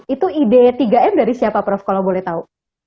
itu ide tiga m dari siapa prof kalau boleh tahu